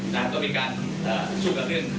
ต้องมีการสู้กับเรื่อง